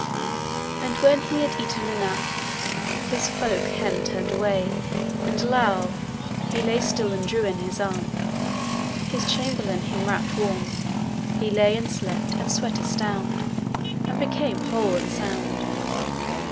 And when he had eaten enough, His folk hem turned away, and LOUGH.[Laughed] He lay still and drew in his arm; His chamberlain him wrapped warm. He lay and slept, and swet a stound, And became whole and sound.